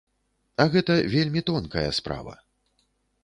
А гэта вельмі тонкая справа.